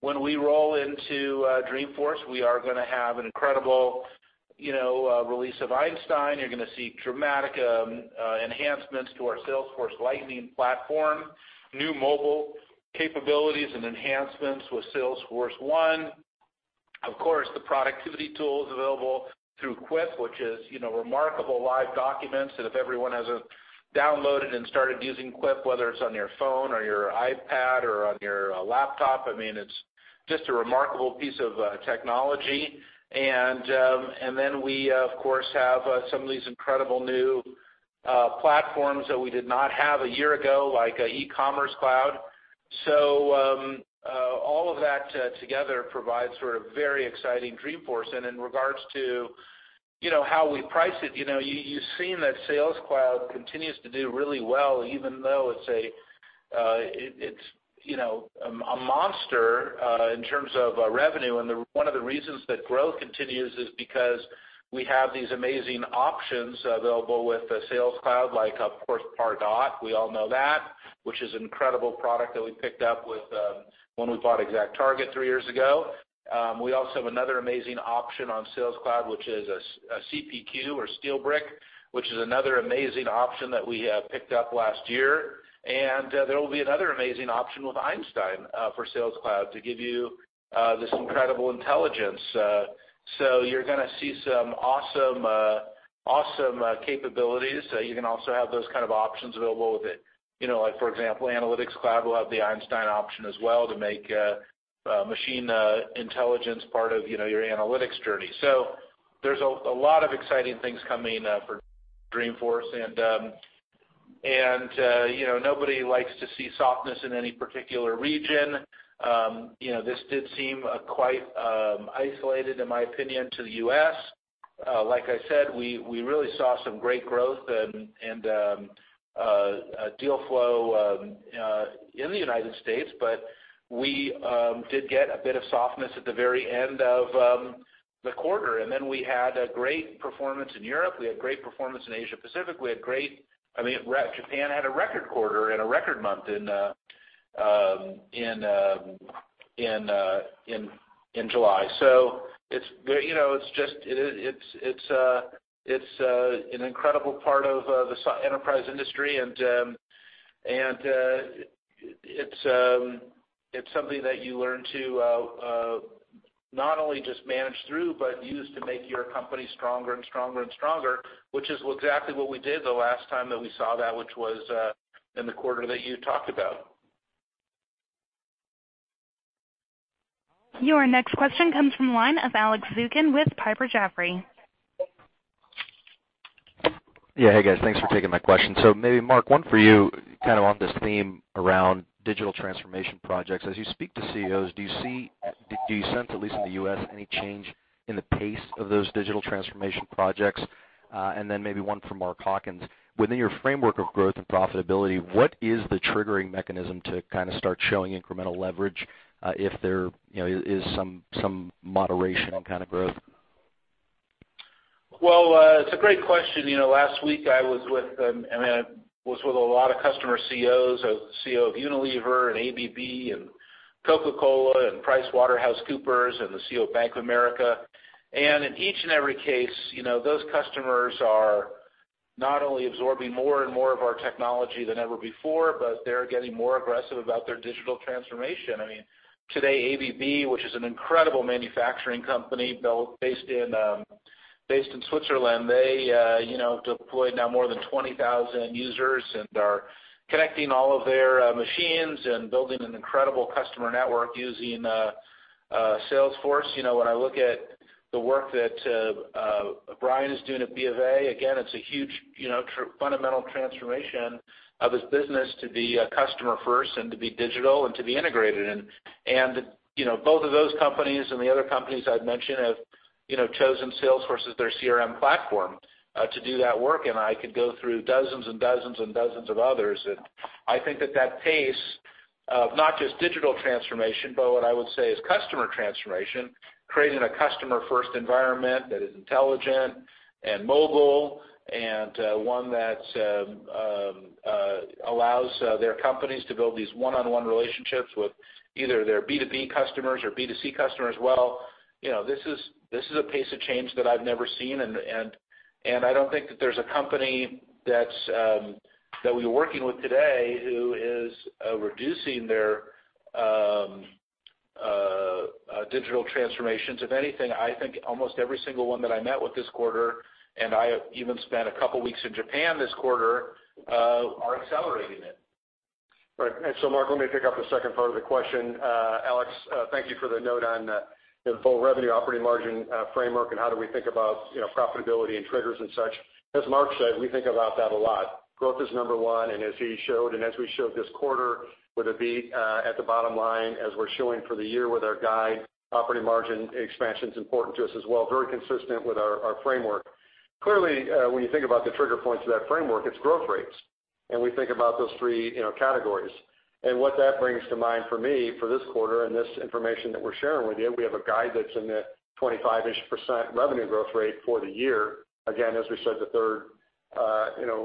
when we roll into Dreamforce, we are going to have an incredible release of Einstein. You're going to see dramatic enhancements to our Salesforce Lightning platform, new mobile capabilities, enhancements with Salesforce1. Of course, the productivity tools available through Quip, which is remarkable live documents that if everyone hasn't downloaded and started using Quip, whether it's on your phone or your iPad or on your laptop, it's just a remarkable piece of technology. We, of course, have some of these incredible new platforms that we did not have a year ago, like Commerce Cloud. All of that together provides for a very exciting Dreamforce. In regards to how we price it, you've seen that Sales Cloud continues to do really well, even though it's a monster in terms of revenue. One of the reasons that growth continues is because we have these amazing options available with the Sales Cloud, like, of course, Pardot. We all know that, which is an incredible product that we picked up when we bought ExactTarget 3 years ago. We also have another amazing option on Sales Cloud, which is CPQ or SteelBrick, which is another amazing option that we picked up last year. There will be another amazing option with Einstein for Sales Cloud to give you this incredible intelligence. You're going to see some awesome capabilities. You can also have those kind of options available with it. Like, for example, Analytics Cloud will have the Einstein option as well to make machine intelligence part of your analytics journey. There's a lot of exciting things coming for Dreamforce. Nobody likes to see softness in any particular region. This did seem quite isolated, in my opinion, to the U.S. Like I said, we really saw some great growth and deal flow in the U.S., but we did get a bit of softness at the very end of the quarter. We had a great performance in Europe, we had great performance in Asia Pacific. Japan had a record quarter and a record month in July. It's an incredible part of the enterprise industry, and it's something that you learn to not only just manage through, but use to make your company stronger and stronger and stronger, which is exactly what we did the last time that we saw that, which was in the quarter that you talked about. Your next question comes from the line of Alex Zukin with Piper Jaffray. Hey, guys. Thanks for taking my question. Maybe, Marc, one for you, kind of on this theme around digital transformation projects. As you speak to CEOs, do you sense, at least in the U.S., any change in the pace of those digital transformation projects? Then maybe one for Mark Hawkins. Within your framework of growth and profitability, what is the triggering mechanism to kind of start showing incremental leverage, if there is some moderation on kind of growth? It's a great question. Last week I was with a lot of customer CEOs, CEO of Unilever, ABB, Coca-Cola, PricewaterhouseCoopers, and the CEO of Bank of America. In each and every case, those customers are not only absorbing more and more of our technology than ever before, but they're getting more aggressive about their digital transformation. Today, ABB, which is an incredible manufacturing company based in Switzerland, they deployed now more than 20,000 users and are connecting all of their machines and building an incredible customer network using Salesforce. When I look at the work that Brian is doing at B of A, again, it's a huge fundamental transformation of his business to be customer first and to be digital and to be integrated. Both of those companies and the other companies I've mentioned have chosen Salesforce as their CRM platform to do that work, and I could go through dozens and dozens and dozens of others. I think that that pace of not just digital transformation, but what I would say is customer transformation, creating a customer-first environment that is intelligent and mobile, and one that allows their companies to build these one-on-one relationships with either their B2B customers or B2C customers as well. This is a pace of change that I've never seen, and I don't think that there's a company that we're working with today who is reducing their digital transformations. If anything, I think almost every single one that I met with this quarter, and I even spent a couple of weeks in Japan this quarter, are accelerating it. Mark, let me pick up the second part of the question. Alex, thank you for the note on the full revenue operating margin framework and how do we think about profitability and triggers and such. As Mark said, we think about that a lot. Growth is number one, and as he showed, and as we showed this quarter with a beat at the bottom line, as we're showing for the year with our guide, operating margin expansion's important to us as well. Very consistent with our framework. Clearly, when you think about the trigger points of that framework, it's growth rates. We think about those three categories. What that brings to mind for me for this quarter and this information that we're sharing with you, we have a guide that's in the 25-ish% revenue growth rate for the year. As we said, the third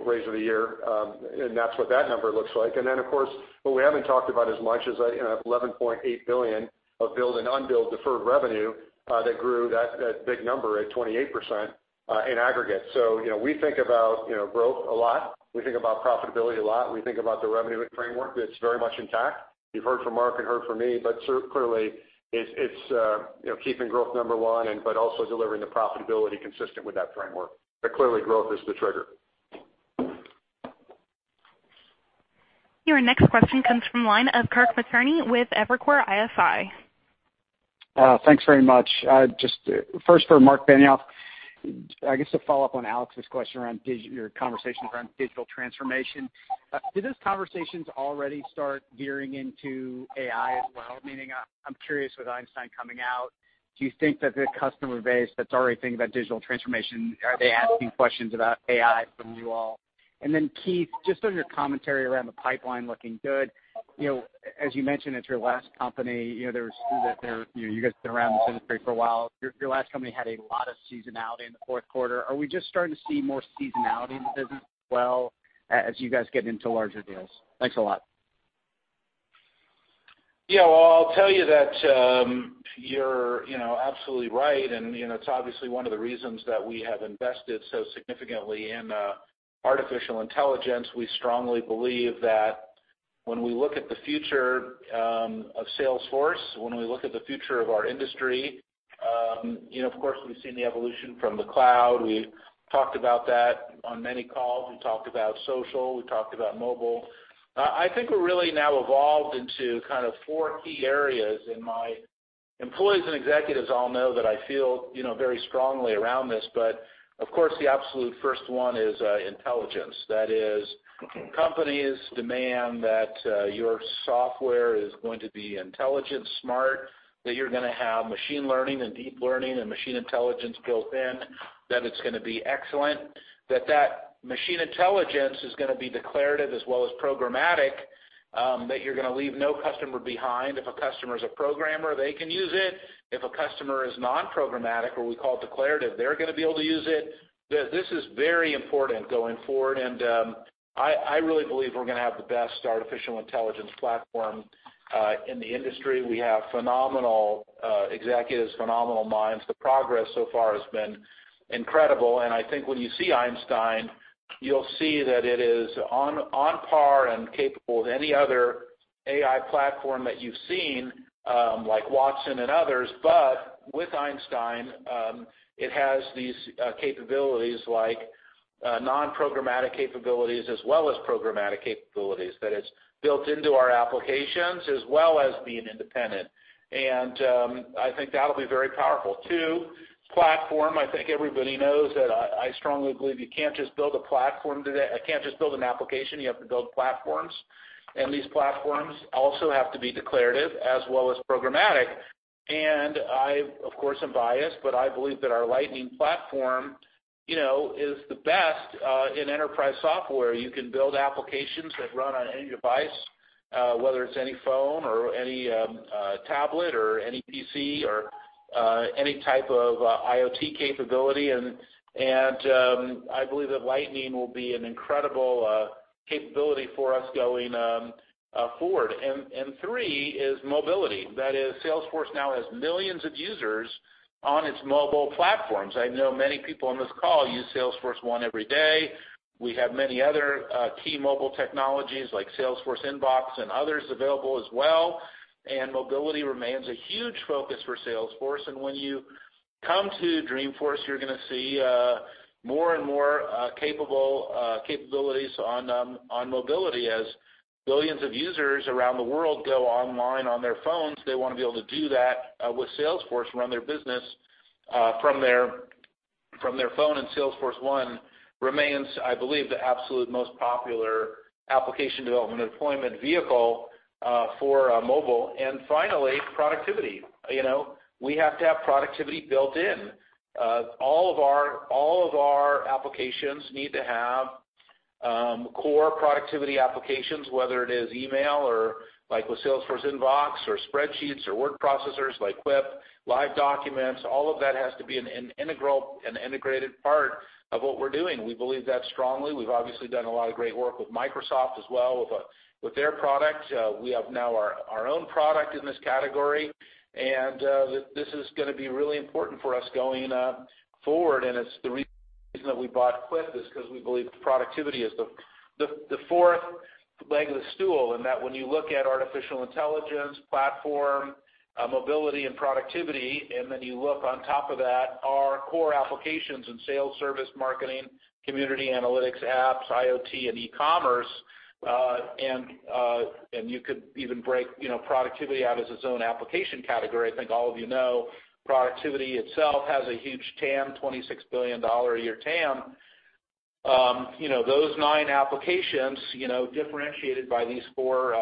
raise of the year, and that's what that number looks like. Of course, what we haven't talked about as much is $11.8 billion of billed and unbilled deferred revenue that grew that big number at 28% in aggregate. We think about growth a lot. We think about profitability a lot. We think about the revenue framework that's very much intact. You've heard from Mark and heard from me, but clearly, it's keeping growth number one, but also delivering the profitability consistent with that framework. Clearly, growth is the trigger. Your next question comes from the line of Kirk Materne with Evercore ISI. Thanks very much. Just first for Marc Benioff, I guess to follow up on Alex's question around your conversations around digital transformation. Did those conversations already start gearing into AI as well? Meaning, I'm curious with Einstein coming out, do you think that the customer base that's already thinking about digital transformation, are they asking questions about AI from you all? Keith, just on your commentary around the pipeline looking good. As you mentioned, it's your last company. You guys have been around this industry for a while. Your last company had a lot of seasonality in the fourth quarter. Are we just starting to see more seasonality in the business as well as you guys get into larger deals? Thanks a lot. Yeah. Well, I'll tell you that you're absolutely right, and it's obviously one of the reasons that we have invested so significantly in artificial intelligence. We strongly believe that when we look at the future of Salesforce, when we look at the future of our industry, of course, we've seen the evolution from the cloud. We've talked about that on many calls. We talked about social, we talked about mobile. I think we're really now evolved into kind of four key areas in my Employees and executives all know that I feel very strongly around this, but of course, the absolute first one is intelligence. That is, companies demand that your software is going to be intelligent, smart, that you're going to have machine learning and deep learning and machine intelligence built in, that it's going to be excellent, that that machine intelligence is going to be declarative as well as programmatic, that you're going to leave no customer behind. If a customer is a programmer, they can use it. If a customer is non-programmatic, or we call declarative, they're going to be able to use it. This is very important going forward, and I really believe we're going to have the best artificial intelligence platform in the industry. We have phenomenal executives, phenomenal minds. The progress so far has been incredible. I think when you see Salesforce Einstein, you'll see that it is on par and capable of any other AI platform that you've seen, like Watson and others. With Salesforce Einstein, it has these capabilities, like non-programmatic capabilities as well as programmatic capabilities, that it's built into our applications as well as being independent. I think that'll be very powerful. Two, platform. I think everybody knows that I strongly believe you can't just build an application, you have to build platforms. These platforms also have to be declarative as well as programmatic. I, of course, am biased, but I believe that our Salesforce Lightning platform is the best in enterprise software. You can build applications that run on any device, whether it's any phone or any tablet or any PC or any type of IoT capability. I believe that Salesforce Lightning will be an incredible capability for us going forward. Three is mobility. That is, Salesforce now has millions of users on its mobile platforms. I know many people on this call use Salesforce1 every day. We have many other key mobile technologies like Salesforce Inbox and others available as well, and mobility remains a huge focus for Salesforce. When you come to Dreamforce, you're going to see more and more capabilities on mobility. As billions of users around the world go online on their phones, they want to be able to do that with Salesforce, run their business from their phone, and Salesforce1 remains, I believe, the absolute most popular application development and deployment vehicle for mobile. Finally, productivity. We have to have productivity built in. All of our applications need to have core productivity applications, whether it is email or like with Salesforce Inbox or spreadsheets or word processors like Quip, Live Documents, all of that has to be an integral and integrated part of what we're doing. We believe that strongly. We've obviously done a lot of great work with Microsoft as well, with their product. We have now our own product in this category, and this is going to be really important for us going forward, and it's the reason that we bought Quip, is because we believe that productivity is the fourth leg of the stool, and that when you look at artificial intelligence, platform, mobility, and productivity, and then you look on top of that, our core applications in sales, service, marketing, community, analytics, apps, IoT, and e-commerce, and you could even break productivity out as its own application category. I think all of you know, productivity itself has a huge TAM, $26 billion a year TAM. Those nine applications differentiated by these four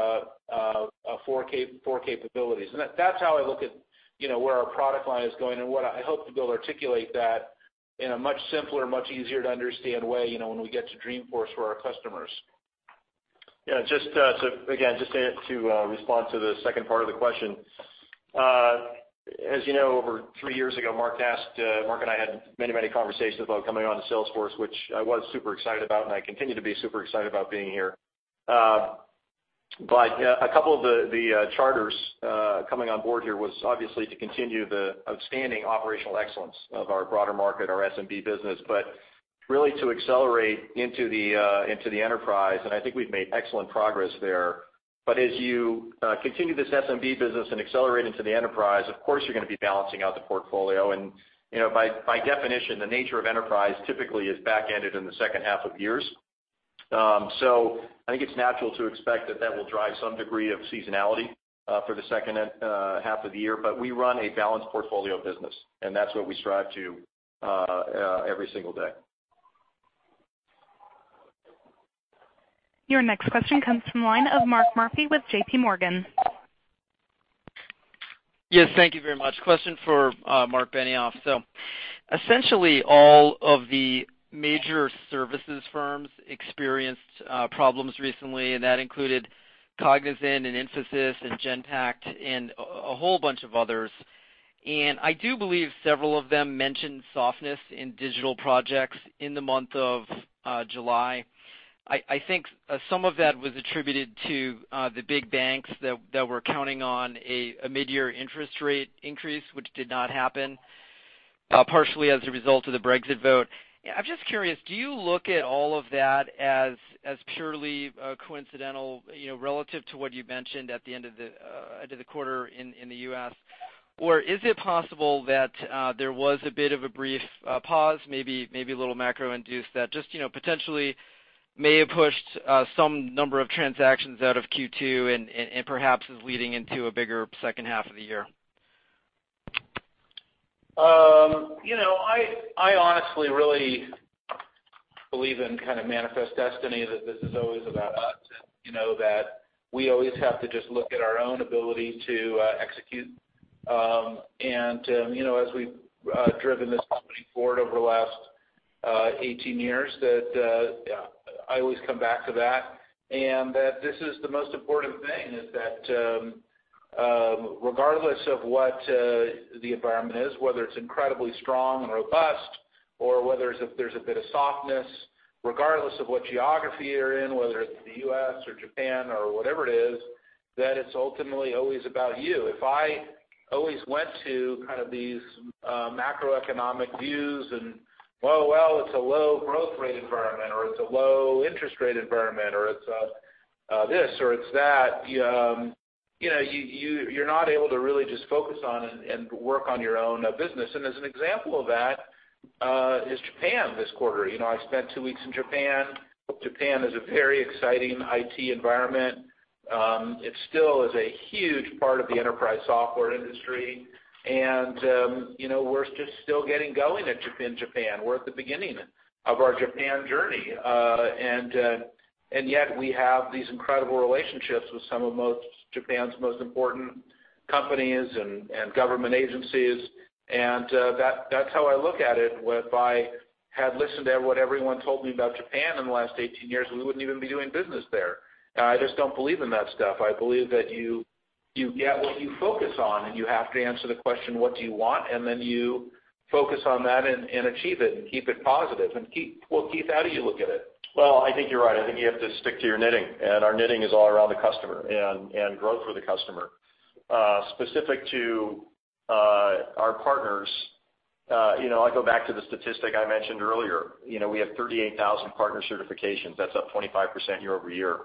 capabilities. That's how I look at where our product line is going and what I hope to be able to articulate that in a much simpler, much easier to understand way, when we get to Dreamforce for our customers. Yeah. Again, just to respond to the second part of the question. As you know, over three years ago, Mark and I had many conversations about coming on to Salesforce, which I was super excited about, and I continue to be super excited about being here. A couple of the charters coming on board here was obviously to continue the outstanding operational excellence of our broader market, our SMB business, really to accelerate into the enterprise, and I think we've made excellent progress there. As you continue this SMB business and accelerate into the enterprise, of course, you're going to be balancing out the portfolio. By definition, the nature of enterprise typically is back-ended in the second half of years. I think it's natural to expect that that will drive some degree of seasonality for the second half of the year. We run a balanced portfolio business, and that's what we strive to every single day. Your next question comes from the line of Mark Murphy with JP Morgan. Yes, thank you very much. Question for Marc Benioff. Essentially, all of the major services firms experienced problems recently, and that included Cognizant and Infosys and Genpact and a whole bunch of others. I do believe several of them mentioned softness in digital projects in the month of July. I think some of that was attributed to the big banks that were counting on a mid-year interest rate increase, which did not happen, partially as a result of the Brexit vote. I'm just curious, do you look at all of that as purely coincidental, relative to what you mentioned at the end of the quarter in the U.S., or is it possible that there was a bit of a brief pause, maybe a little macro induced, that just potentially May have pushed some number of transactions out of Q2 and perhaps is leading into a bigger second half of the year. I honestly really believe in kind of manifest destiny, that this is always about us, and that we always have to just look at our own ability to execute. As we've driven this company forward over the last 18 years, that I always come back to that, and that this is the most important thing, is that regardless of what the environment is, whether it's incredibly strong and robust or whether there's a bit of softness, regardless of what geography you're in, whether it's the U.S. or Japan or whatever it is, that it's ultimately always about you. If I always went to these macroeconomic views and, oh, well, it's a low growth rate environment, or it's a low interest rate environment, or it's this, or it's that, you're not able to really just focus on and work on your own business. As an example of that, is Japan this quarter. I spent two weeks in Japan. Japan is a very exciting IT environment. It still is a huge part of the enterprise software industry. We're just still getting going in Japan. We're at the beginning of our Japan journey. Yet we have these incredible relationships with some of Japan's most important companies and government agencies, and that's how I look at it. If I had listened to what everyone told me about Japan in the last 18 years, we wouldn't even be doing business there. I just don't believe in that stuff. I believe that you get what you focus on, and you have to answer the question, what do you want? Then you focus on that and achieve it and keep it positive. Keith, how do you look at it? Well, I think you're right. I think you have to stick to your knitting, and our knitting is all around the customer and growth for the customer. Specific to our partners, I go back to the statistic I mentioned earlier. We have 38,000 partner certifications. That's up 25% year-over-year.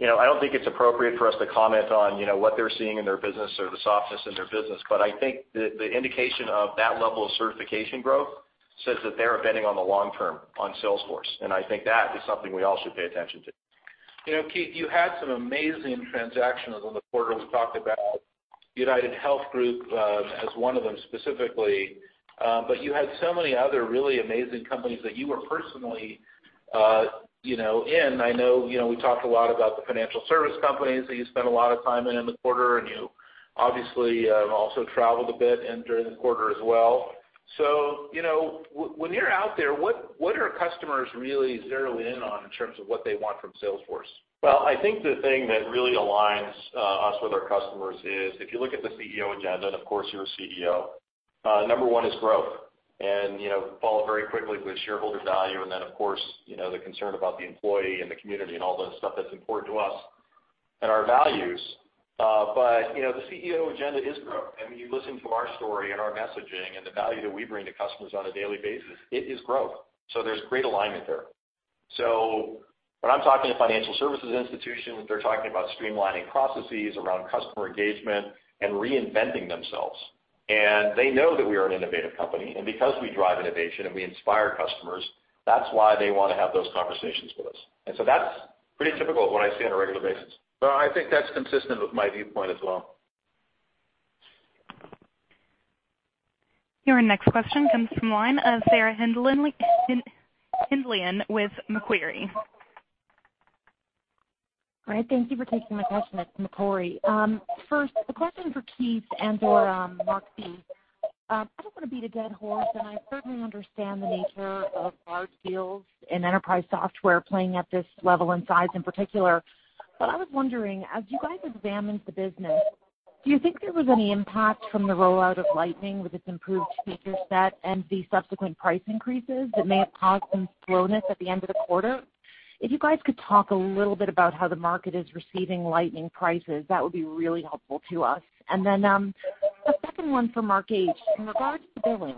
I don't think it's appropriate for us to comment on what they're seeing in their business or the softness in their business. I think the indication of that level of certification growth says that they are betting on the long term on Salesforce, and I think that is something we all should pay attention to. Keith, you had some amazing transactions on the quarter. We talked about UnitedHealth Group as one of them specifically. You had so many other really amazing companies that you were personally in. I know we talked a lot about the financial services companies that you spent a lot of time in in the quarter, and you obviously have also traveled a bit during the quarter as well. When you're out there, what are customers really zeroing in on in terms of what they want from Salesforce? Well, I think the thing that really aligns us with our customers is, if you look at the CEO agenda, and of course, you're a CEO, number one is growth, and followed very quickly with shareholder value, and then, of course, the concern about the employee and the community and all the stuff that's important to us and our values. The CEO agenda is growth. When you listen to our story and our messaging and the value that we bring to customers on a daily basis, it is growth. There's great alignment there. When I'm talking to financial services institutions, they're talking about streamlining processes around customer engagement and reinventing themselves. They know that we are an innovative company, and because we drive innovation and we inspire customers, that's why they want to have those conversations with us. That's pretty typical of what I see on a regular basis. Well, I think that's consistent with my viewpoint as well. Your next question comes from the line of Sarah Hindlian with Macquarie. Great. Thank you for taking my question. It's Macquarie. First, a question for Keith and/or Marc Benioff. I don't want to beat a dead horse, and I certainly understand the nature of large deals in enterprise software playing at this level and size in particular, but I was wondering, as you guys examined the business, do you think there was any impact from the rollout of Lightning with its improved feature set and the subsequent price increases that may have caused some slowness at the end of the quarter? If you guys could talk a little bit about how the market is receiving Lightning prices, that would be really helpful to us. Then, a second one for Mark Hawkins. In regards to billing,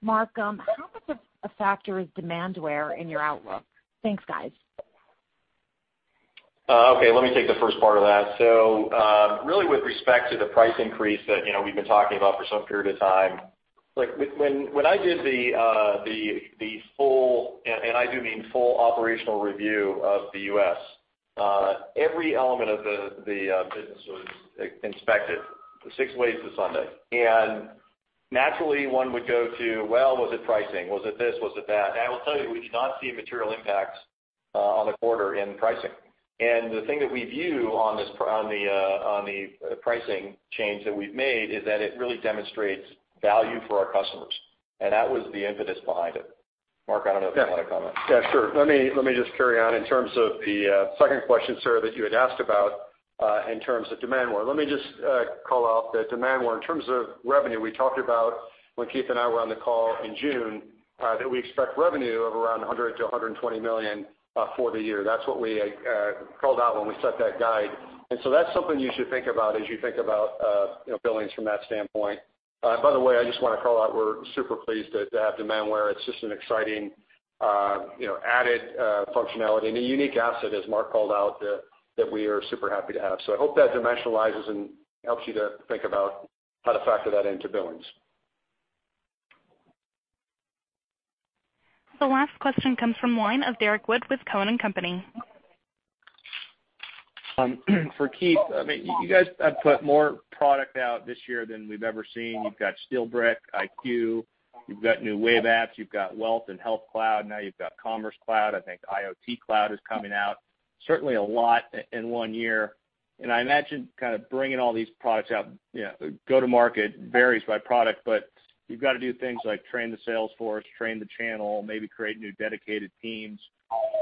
Mark, how much of a factor is Demandware in your outlook? Thanks, guys. Okay, let me take the first part of that. Really with respect to the price increase that we've been talking about for some period of time, when I did the full, and I do mean full operational review of the U.S., every element of the business was inspected six ways to Sunday. One would go to, well, was it pricing? Was it this? Was it that? We did not see material impacts on the quarter in pricing. The thing that we view on the pricing change that we've made is that it really demonstrates value for our customers, and that was the impetus behind it. Mark, I don't know if you want to comment. Yeah, sure. Let me just carry on in terms of the second question, Sarah, that you had asked about in terms of Demandware. Let me just call out that Demandware, in terms of revenue, we talked about when Keith and I were on the call in June, that we expect revenue of around $100 million-$120 million for the year. That's what we called out when we set that guide. That's something you should think about as you think about billings from that standpoint. By the way, I just want to call out, we're super pleased to have Demandware. It's just an exciting added functionality and a unique asset, as Mark called out, that we are super happy to have. I hope that dimensionalizes and helps you to think about how to factor that into billings. The last question comes from line of Derrick Wood with Cowen and Company. For Keith, you guys have put more product out this year than we've ever seen. You've got SteelBrick, IQ, you've got new web apps, you've got Financial Services Cloud and Health Cloud, now you've got Commerce Cloud, I think IoT Cloud is coming out. Certainly a lot in one year, and I imagine bringing all these products out, go to market varies by product, but you've got to do things like train the sales force, train the channel, maybe create new dedicated teams.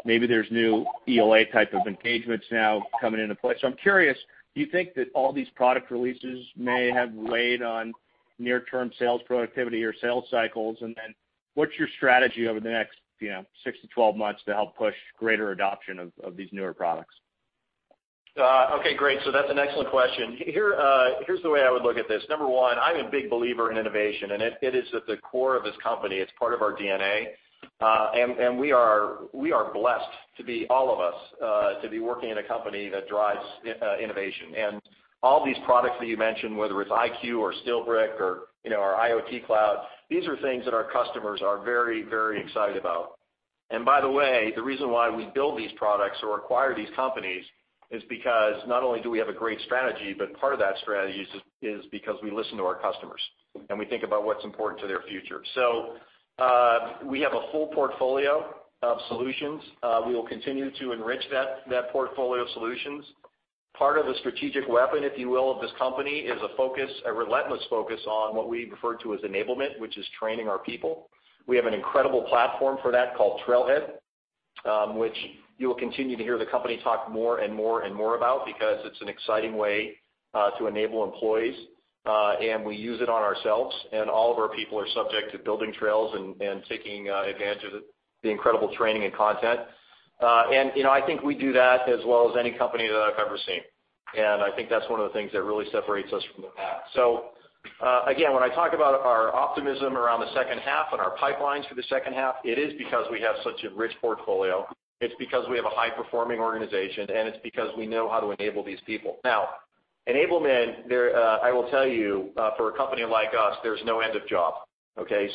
Maybe there's new ELA type of engagements now coming into play. I'm curious, do you think that all these product releases may have weighed on near-term sales productivity or sales cycles? What's your strategy over the next six to 12 months to help push greater adoption of these newer products? Okay, great. That's an excellent question. Here's the way I would look at this. Number one, I'm a big believer in innovation, and it is at the core of this company. It's part of our DNA. We are blessed, all of us, to be working in a company that drives innovation. All these products that you mentioned, whether it's SalesforceIQ or SteelBrick or our IoT Cloud, these are things that our customers are very excited about. By the way, the reason why we build these products or acquire these companies is because not only do we have a great strategy, but part of that strategy is because we listen to our customers, and we think about what's important to their future. We have a full portfolio of solutions. We will continue to enrich that portfolio of solutions. Part of the strategic weapon, if you will, of this company is a relentless focus on what we refer to as enablement, which is training our people. We have an incredible platform for that called Trailhead, which you will continue to hear the company talk more and more about, because it's an exciting way to enable employees. We use it on ourselves, and all of our people are subject to building trails and taking advantage of the incredible training and content. I think we do that as well as any company that I've ever seen. I think that's one of the things that really separates us from the pack. Again, when I talk about our optimism around the second half and our pipelines for the second half, it is because we have such a rich portfolio. It's because we have a high-performing organization, and it's because we know how to enable these people. Now, enablement, I will tell you, for a company like us, there's no end of job. Okay?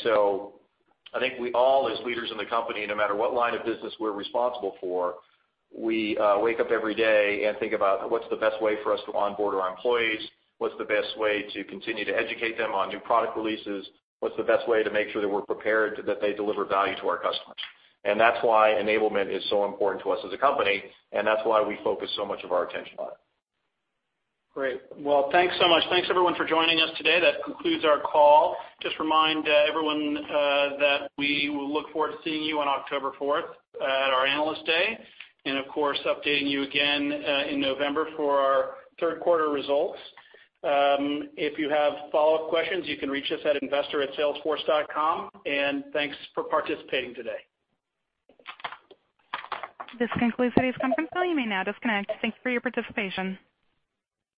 I think we all, as leaders in the company, no matter what line of business we're responsible for, we wake up every day and think about what's the best way for us to onboard our employees, what's the best way to continue to educate them on new product releases, what's the best way to make sure that we're prepared that they deliver value to our customers. That's why enablement is so important to us as a company, and that's why we focus so much of our attention on it. Great. Well, thanks so much. Thanks, everyone for joining us today. That concludes our call. Just remind everyone that we will look forward to seeing you on October 4th at our Analyst Day, and of course, updating you again in November for our third-quarter results. If you have follow-up questions, you can reach us at investor@salesforce.com, and thanks for participating today. This concludes today's conference call. You may now disconnect. Thank you for your participation.